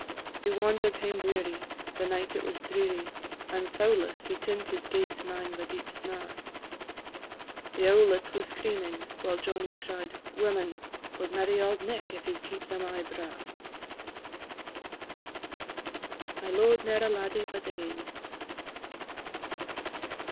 He wander'd hame weary, the night it was dreary; And, thowless, he tint his gate 'mang the deep snaw; The owlet was screamin' while Johnnie cried, "Women Wad marry Auld Nick if he 'd keep them aye braw." I LO'ED NE'ER A LADDIE BUT ANE.